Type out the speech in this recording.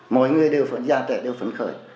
mỗi người đều phấn khởi gia trẻ đều phấn khởi